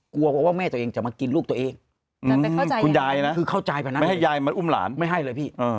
กลัวว่าแม่ตัวเองจะมากินลูกตัวเองไม่ให้ยายมาอุ้มหลานไม่ให้เลยพี่